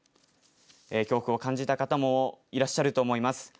恐怖を感じた方もいらっしゃると思います。